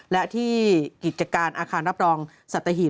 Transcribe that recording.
และที่กิจการอาคารรับรองสัตหีบ